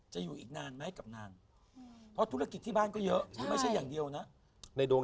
จะอยู่อีกนานไหมกับนางเพราะธุรกิจที่บ้านก็เยอะไม่ใช่อย่างเดียวนะในดวง